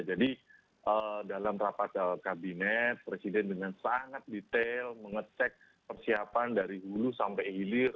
jadi dalam rapat kabinet presiden dengan sangat detail mengecek persiapan dari ulu sampai hilir